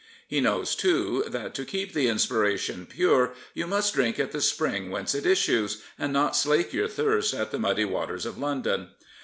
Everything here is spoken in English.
He knows, too, that to keep the inspiration pure you must drink at the spring whence it issues, and not slake your thirst at the muddy waters of London.